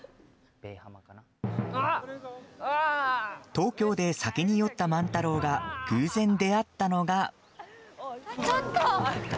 東京で酒に酔った万太郎が偶然出会ったのが。